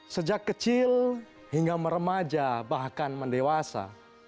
sejak kecil hingga meremaja bahkan mendewasa